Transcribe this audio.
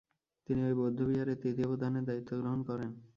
তিনি ঐ বৌদ্ধবিহারের তৃতীয় প্রধানের দায়িত্বগ্রহণ করেন।